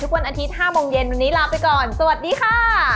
วันอาทิตย์๕โมงเย็นวันนี้ลาไปก่อนสวัสดีค่ะ